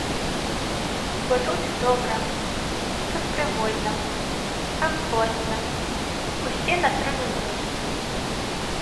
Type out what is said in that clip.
Бо тут добра, тут прывольна, камфортна, усе нас разумеюць.